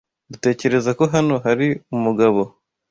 Dutekereza ko hano hari umugabo.